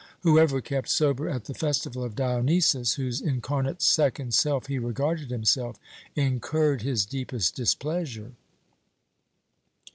Whoever kept sober at the festival of Dionysus, whose incarnate second self he regarded himself, incurred his deepest displeasure.